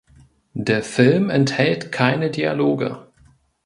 Der Film enthält keine Dialoge.